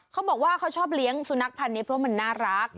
เขาบอกว่าเขาชอบเลี้ยงสุนัขพันธ์นี้เพราะมันน่ารัก